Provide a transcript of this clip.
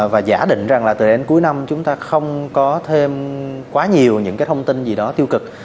và giả định rằng là từ đến cuối năm chúng ta không có thêm quá nhiều những cái thông tin gì đó tiêu cực